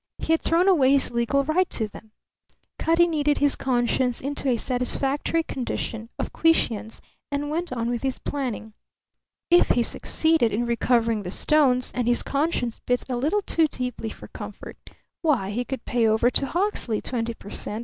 he had thrown away his legal right to them. Cutty kneaded his conscience into a satisfactory condition of quiescence and went on with his planning. If he succeeded in recovering the stones and his conscience bit a little too deeply for comfort why, he could pay over to Hawksley twenty per cent.